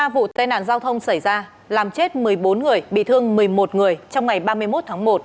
hai mươi ba vụ tên nạn giao thông xảy ra làm chết một mươi bốn người bị thương một mươi một người trong ngày ba mươi một tháng một